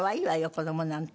子供なんて。